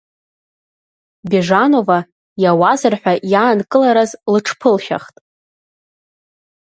Бежанова иауазар ҳәа иаанкылараз лыҽԥылшәахт.